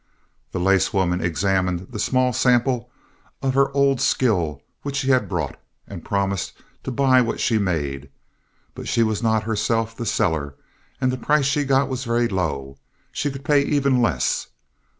The lace woman examined the small sample of her old skill which she had brought, and promised to buy what she made. But she was not herself the seller, and the price she got was very low. She could pay even less.